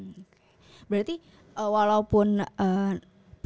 penangkan konsumen di jakarta kita bisa melakukan penyidikan di sana